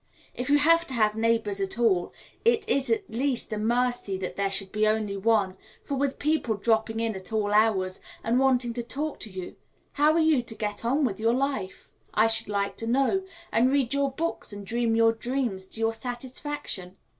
If you have to have neighbours at all, it is at least a mercy that there should be only one; for with people dropping in at all hours and wanting to talk to you, how are you to get on with your life, I should like to know, and read your books, and dream your dreams to your satisfaction?